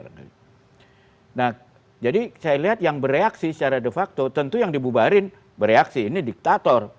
nah jadi saya lihat yang bereaksi secara de facto tentu yang dibubarin bereaksi ini diktator